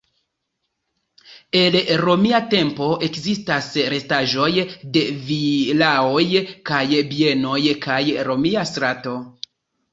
El romia tempo ekzistas restaĵoj de vilaoj kaj bienoj kaj romia strato.